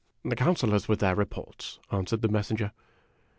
" The Councilors with their reports," answered the messenger.